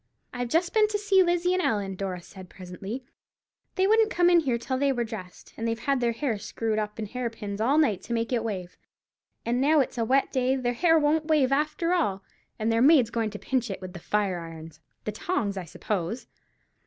"I've just been to see Lizzie and Ellen," Dora said, presently; "they wouldn't come in here till they were dressed, and they've had their hair screwed up in hair pins all night to make it wave, and now it's a wet day their hair won't wave after all, and their maid's going to pinch it with the fire irons—the tongs, I suppose."